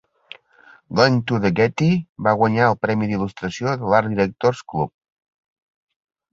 "Going to the Getty" va guanyar el premi d'il·lustració de l'Art Directors Club.